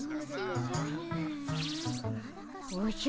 おじゃ？